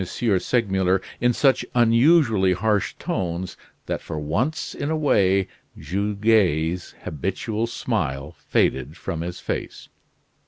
Segmuller in such unusually harsh tones that for once in a way Goguet's habitual smile faded from his face.